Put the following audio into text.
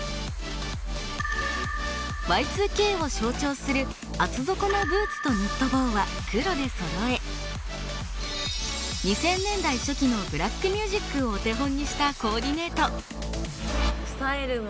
Ｙ２Ｋを象徴する厚底のブーツとニット帽は黒でそろえ２０００年代初期のブラックミュージックをお手本にしたコーディネート。